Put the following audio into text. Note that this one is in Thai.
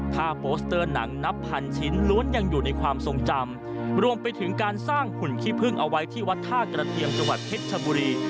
ถ้าโปสเตอร์หนังนับพันชิ้นล้วนยังอยู่ในความทรงจำรวมไปถึงการสร้างหุ่นขี้พึ่งเอาไว้ที่วัดท่ากระเทียมจังหวัดเพชรชบุรี